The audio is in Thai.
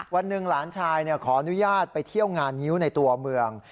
วันหนึ่งหลานชายขออนุญาตไปเที่ยวงานงิ้วในตัวเมือง